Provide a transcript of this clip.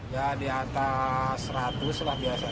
ya di atas seratus lah biasanya